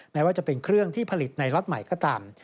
แม้ว่าจะเป็นเครื่องที่ผลิตในล็อตใหม่ก็ตาม